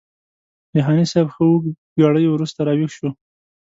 جهاني صاحب ښه اوږد ګړی وروسته راویښ شو.